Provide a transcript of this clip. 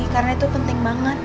karena itu penting banget